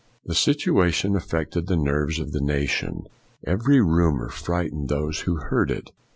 The situation affected the nerves of the nation. Every rumor frightened those who heard it.